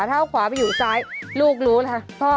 เท้าขวาไปอยู่ซ้ายลูกรู้นะคะ